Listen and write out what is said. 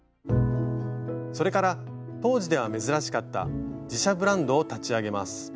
それから当時では珍しかった自社ブランドを立ち上げます。